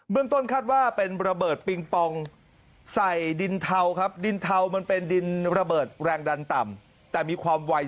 เรื่องต้นคาดว่าเป็นระเบิดปิงปองใส่ดินเทาครับดินเทามันเป็นดินระเบิดแรงดันต่ำแต่มีความไว